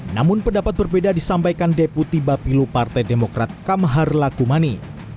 namun pendapat berbeda disampaikan deputi bapilu partai demokrat kamhar lakumani